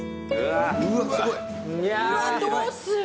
うわどうする？